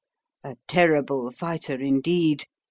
A terrible fighter, indeed!